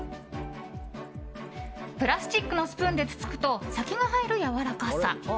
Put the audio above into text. プラスチックのスプーンでつつくと先が入るやわらかさ。